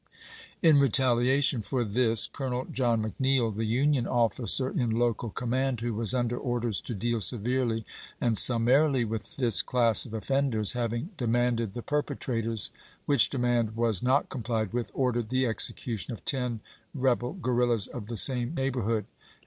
In retaliation for this Colonel John McNeil, the Union officer in local command, who was under orders to deal severely and summarily with this class of offenders, having demanded the perpetrators, which demand was not complied with, ordered the execution of ten rebel guerrillas of the same neighborhood, and 476 ABRAHAM LINCOLN /" Century Magazine," July, 1889, p. 475. CHAP. XXI.